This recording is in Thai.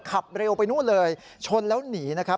ขับเร็วไปนู่นเลยชนแล้วหนีนะครับ